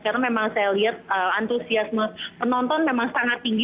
karena memang saya lihat antusiasme penonton memang sangat tinggi